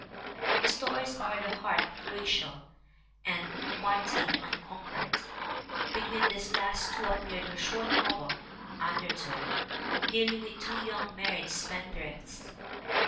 The others are The Heart of Rachael and Martie, the Unconquered. Be tween these last two appeared her short novel, Under tow, dealing with two young married spendthrifts.